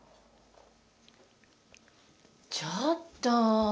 ちょっと！